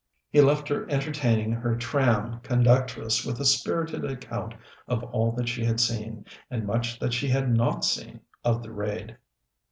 He left her entertaining her tram conductress with a spirited account of all that she had seen, and much that she had not seen, of the raid.